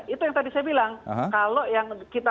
itu yang tadi saya bilang kalau yang kita